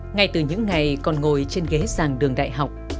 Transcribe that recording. ngay từ những ngày còn ngồi trên ghế giảng đường đại học